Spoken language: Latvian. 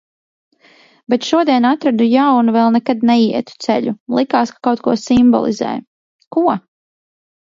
Bet šodien atradu jaunu, vēl nekad neietu ceļu. Likās, ka kaut ko simbolizē. Ko?